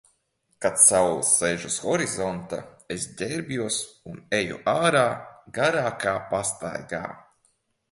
Kad saule sēž uz horizonta, es ģērbjos un eju ārā garākā pastaigā.